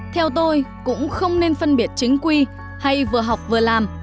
theo tôi cũng không nên phân biệt chính quy hay vừa học vừa làm